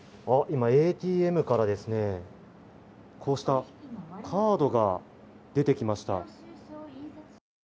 あ、今ＡＴＭから、こうしたカードが出てきました。